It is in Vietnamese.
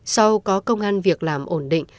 sau có công an việc làm ổn định